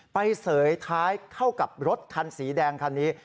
เสยท้ายเข้ากับรถคันสีแดงคันนี้